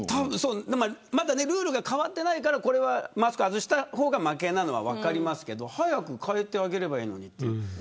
ルールが変わっていないからマスクを外した方が負けなのは分かりますが早く変えてあげればいいのに。